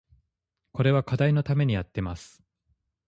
これは課題のためにやってます